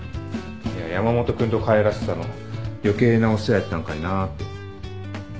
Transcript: いや山本君と帰らせたの余計なお世話やったんかいなって。